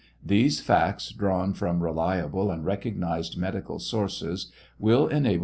These facts, drawn from reliable and recognized medical sources, will enable